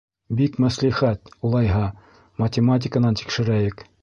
— Бик мәслихәт, улайһа, математиканан тикшерәйек.